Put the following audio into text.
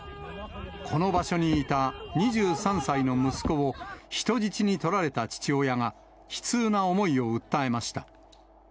この場所にいた２３歳の息子を人質に取られた父親が、悲痛な思いを訴えました。